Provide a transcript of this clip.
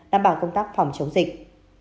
đảm bảo công tác phòng chống dịch